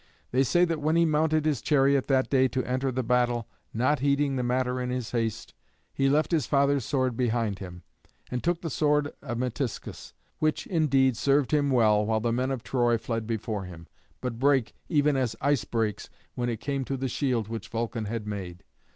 They say that when he mounted his chariot that day to enter the battle, not heeding the matter in his haste, he left his father's sword behind him, and took the sword of Metiscus, which, indeed, served him well while the men of Troy fled before him, but brake, even as ice breaks, when it came to the shield which Vulcan had made.